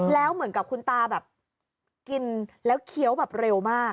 แล้วเหมือนกับคุณตาแบบกินแล้วเคี้ยวแบบเร็วมาก